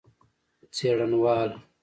څېړنوال